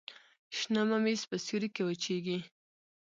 شنه ممیز په سیوري کې وچیږي.